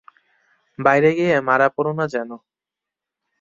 বাইরে গিয়ে মারা পড়ো না যেন।